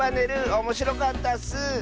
おもしろかったッス！